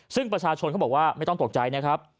ซึ่งประชาชนเขาบอกว่าไม่ต้องตกใจนะครับ